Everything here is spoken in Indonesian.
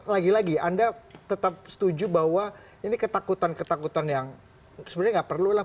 lagi lagi anda tetap setuju bahwa ini ketakutan ketakutan yang sebenarnya nggak perlulah